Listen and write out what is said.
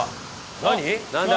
何？